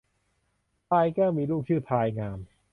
พลายแก้วมีลูกชื่อพลายงาม